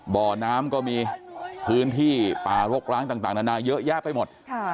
บ่อน้ำก็มีพื้นที่ป่ารกร้างต่างนานาเยอะแยะไปหมด